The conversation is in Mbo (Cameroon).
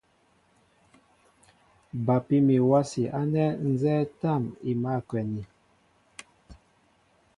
Bapí mi wási ánɛ nzɛ́ɛ́ tâm i mǎl a kwɛni.